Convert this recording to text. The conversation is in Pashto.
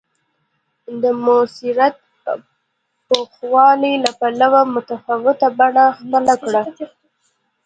د موثریت او پوخوالي له پلوه متفاوته بڼه خپله کړه